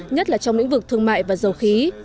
nhất là trong lĩnh vực thương mại và dầu khí